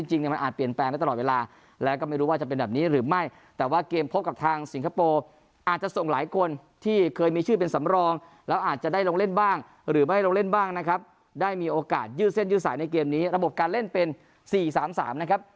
จริงเนี่ยมันอาจเปลี่ยนแปลงได้ตลอดเวลาแล้วก็ไม่รู้ว่าจะเป็นแบบนี้หรือไม่แต่ว่าเกมพบกับทางสิงคโปร์อาจจะส่งหลายคนที่เคยมีชื่อเป็นสำรองแล้วอาจจะได้ลงเล่นบ้างหรือไม่ลงเล่นบ้างนะครับได้มีโอกาสยืดเส้นยืดสายในเกมนี้ระบบการเล่นเป็น๔๓๓นะครับ